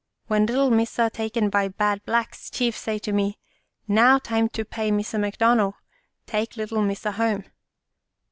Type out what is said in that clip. When little Missa taken by bad Blacks, Chief say to me, 1 Now time to pay Missa McDonald, take little Missa home